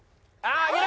上げろ！